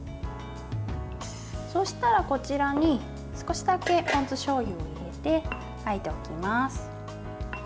そしたら、こちらに少しだけポン酢しょうゆを入れてあえておきます。